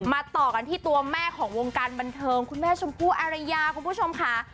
ต่อกันที่ตัวแม่ของวงการบันเทิงคุณแม่ชมพู่อารยาคุณผู้ชมค่ะ